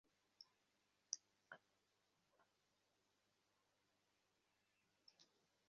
সকলেই জানে বীজগণিতের উৎপত্তিও ভারতে।